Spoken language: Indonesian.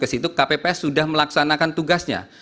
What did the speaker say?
ke situ kpps sudah melaksanakan tugasnya